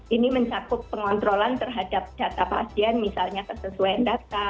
ini mencakup pengontrolan terhadap data pasien misalnya kesesuaian data